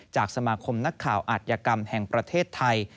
จากสมาคมนักข่าวอาจยกรรมแห่งประเทศไทย